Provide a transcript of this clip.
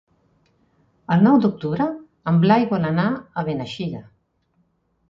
El nou d'octubre en Blai vol anar a Beneixida.